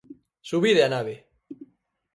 Subide á nave.